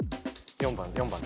４番。